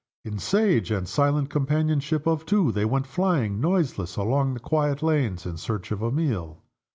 In sage and silent companionship of two, they went flying, noiseless, along the quiet lanes in search of a meal.